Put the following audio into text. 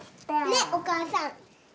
ねっお母さん。